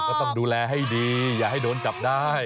ก็ต้องดูแลให้ดีอย่าให้โดนจับได้